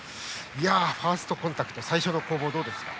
ファーストコンタクト最初の攻防どうですか。